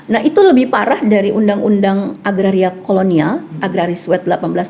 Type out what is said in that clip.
nah itu lebih parah dari undang undang agraria kolonial agraris wed seribu delapan ratus dua puluh